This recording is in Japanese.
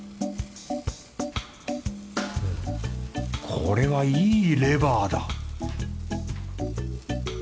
これはいいレバーだ